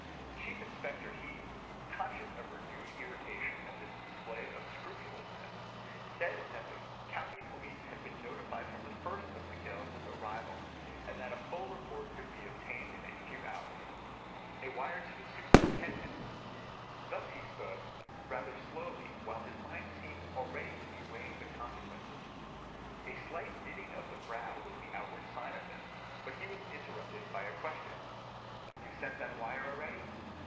Chief Inspector Heat, conscious of renewed irritation at this display of scrupulousness, said that the county police had been notified from the first of Michaelis' arrival, and that a full report could be obtained in a few hours. A wire to the superintendent— Thus he spoke, rather slowly, while his mind seemed already to be weighing the consequences. A slight knitting of the brow was the outward sign of this. But he was interrupted by a question. "You've sent that wire already?"